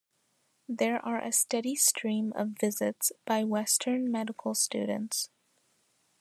There are a steady stream of visits by Western medical students.